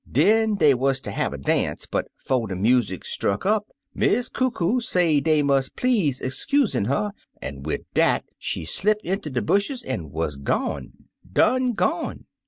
Den dey wuz ter have a dance, but 'fo' de music struck up. Miss Coo Coo say dey must please excusin' her, an' wid dat, she slip inter de bushes an' wuz gone — done gone!